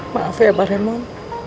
maaf ya pak remon